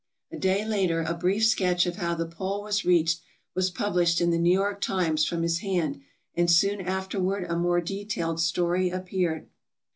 A day later a brief sketch of how the pole was reached was published in the "New York Times" from his hand, and soon afterward a more detailed story appeared.